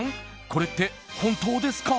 これって本当ですか？